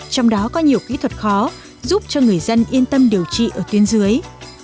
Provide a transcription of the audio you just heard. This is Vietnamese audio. trong đó có nhiều kỹ thuật khó giúp cho người dân yên tâm điều trị ở tuyến dưới